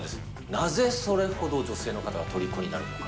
なぜそれほど女性の方がとりこになるのか。